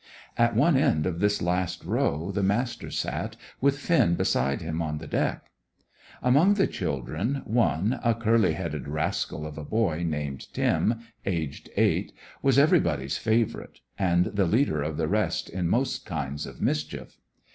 At one end of this last row the Master sat, with Finn beside him on the deck. Among the children, one, a curly headed rascal of a boy named Tim, aged eight, was everybody's favourite, and the leader of the rest in most kinds of mischief.